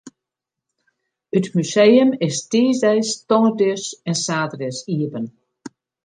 It museum is tiisdeis, tongersdeis en saterdeis iepen.